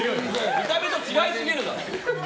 見た目と違いすぎるだろ！